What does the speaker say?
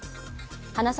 花咲